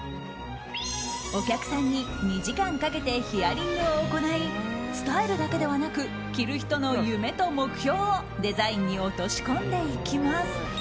お客さんに２時間かけてヒアリングを行いスタイルだけではなく着る人の夢と目標をデザインに落とし込んでいきます。